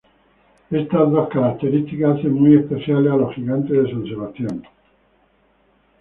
Estas dos características hacen muy especiales a los gigantes de San Sebastián.